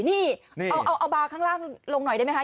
นี่เอาบาร์ข้างล่างลงหน่อยได้ไหมคะ